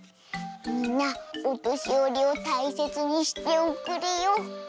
みんなおとしよりをたいせつにしておくれよ。